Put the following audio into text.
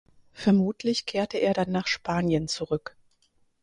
Vermutlich kehrte er dann nach Spanien zurück.